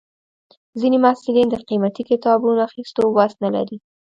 ځینې محصلین د قیمتي کتابونو اخیستو وس نه لري.